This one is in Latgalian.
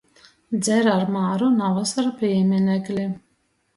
Dzer ar māru, navys ar pīminekli!